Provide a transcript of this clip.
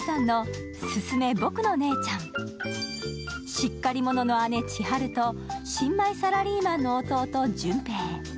しっかり者の姉・ちはると新米サラリーマンの弟・順平。